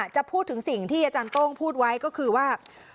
จะพูดถึงสิ่งที่อาจารย์โต้งพูดไว้ก็คือว่า